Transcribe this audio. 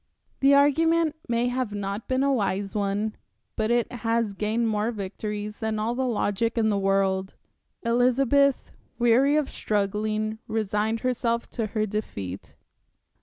The argument may not have been a wise one, but it has gained more victories than all the logic in the world. Elizabeth, weary of struggling, resigned herself to her defeat....